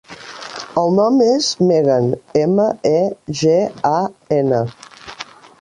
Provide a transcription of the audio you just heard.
El nom és Megan: ema, e, ge, a, ena.